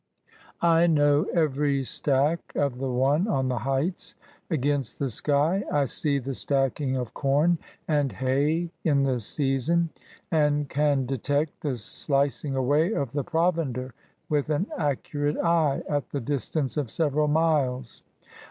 I know every stack of the one on the heights. Against the sky I see the stacking of com and hay in the season, and can detect the slicing away of the provender, with an accurate eye, at the distance of several miles.